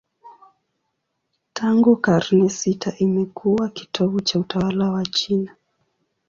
Tangu karne sita imekuwa kitovu cha utawala wa China.